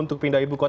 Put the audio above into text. untuk pindah ibu kota